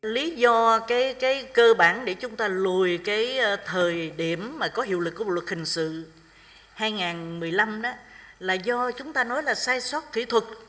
lý do cơ bản để chúng ta lùi thời điểm có hiệu lực của bộ luật hình sự năm hai nghìn một mươi năm là do chúng ta nói là sai sót kỹ thuật